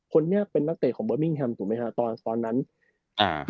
คนนี้เป็นนักเตะของเบอร์มิ้งแฮมถูกไหมฮะตอนตอนนั้นอ่า